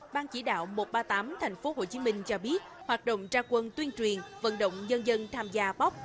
ban chỉ đạo một trăm ba mươi tám tp hcm cho biết hoạt động tra quân tuyên truyền vận động dân dân tham gia bóc